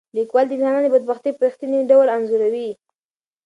لیکوال د انسانانو بدبختي په رښتیني ډول انځوروي.